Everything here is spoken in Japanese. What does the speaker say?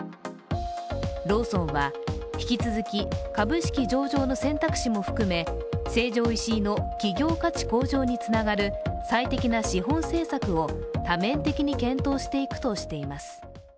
ローソンは、引き続き株式上場の選択肢も含め成城石井の企業価値向上につながる最適な資本政策を多面的に検討していくとしています。